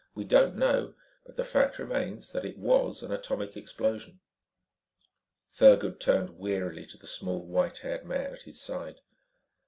We don't know, but the fact remains that it WAS an atomic explosion." Thurgood turned wearily to the small, white haired man at his side.